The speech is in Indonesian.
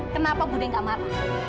kenapa budi gak marah